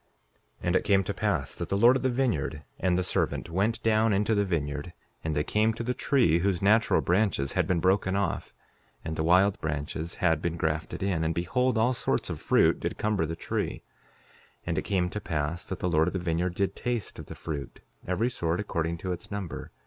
5:30 And it came to pass that the Lord of the vineyard and the servant went down into the vineyard; and they came to the tree whose natural branches had been broken off, and the wild branches had been grafted in; and behold all sorts of fruit did cumber the tree. 5:31 And it came to pass that the Lord of the vineyard did taste of the fruit, every sort according to its number.